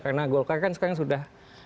karena golkar kan sekarang sudah